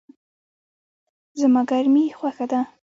زما ګرمی خوښه ده